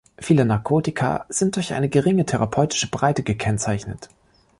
Viele Narkotika sind durch eine geringe therapeutische Breite gekennzeichnet.